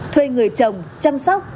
thuê người trồng chăm sóc